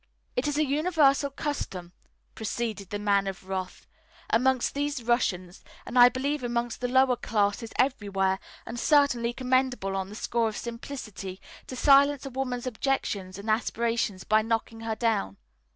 "It is a universal custom," proceeded the Man of Wrath, "amongst these Russians, and I believe amongst the lower classes everywhere, and certainly commendable on the score of simplicity, to silence a woman's objections and aspirations by knocking her down.